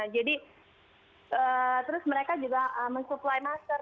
jadi terus mereka juga mensupply masker